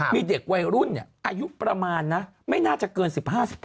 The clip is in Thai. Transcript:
มีเด็กวัยรุ่นอายุประมาณนะไม่น่าจะเกิน๑๕๑๘